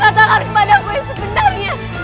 katakanlah kepada aku yang sebenarnya